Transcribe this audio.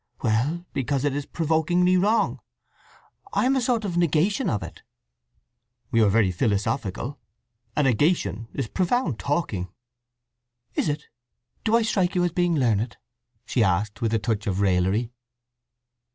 "Well, because it is provokingly wrong. I am a sort of negation of it." "You are very philosophical. 'A negation' is profound talking." "Is it? Do I strike you as being learned?" she asked, with a touch of raillery.